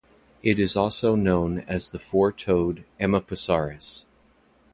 It is also known as the four-toed Amapasaurus.